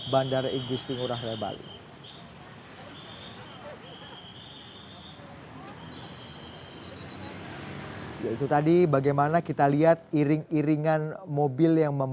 bandara igusti kura rebali